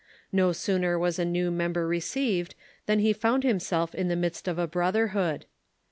No sooner was a new member received than he found himself in the midst of a brotherhood.